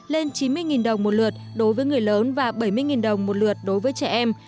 lên chín mươi đồng một lượt đối với người lớn và bảy mươi đồng một lượt đối với trẻ em